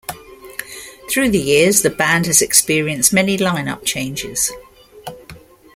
Through the years, the band has experienced many line-up changes.